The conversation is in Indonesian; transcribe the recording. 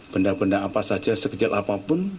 benda benda apa saja sekecil apapun